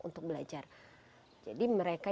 untuk belajar jadi mereka